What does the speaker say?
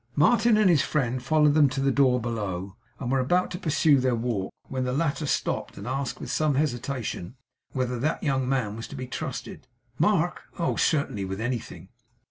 Martin and his friend followed them to the door below, and were about to pursue their walk, when the latter stopped, and asked, with some hesitation, whether that young man was to be trusted? 'Mark! oh certainly! with anything.